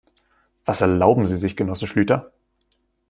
Was erlauben Sie sich, Genosse Schlüter?